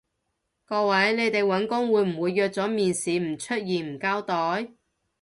各位，你哋搵工會唔會約咗面試唔出現唔交代？